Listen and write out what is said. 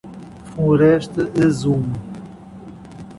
Floresta Azul